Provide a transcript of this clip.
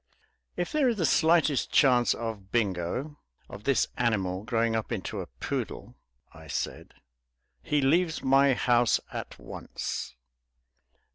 "If there is the slightest chance of Bingo of this animal growing up into a poodle," I said, "he leaves my house at once."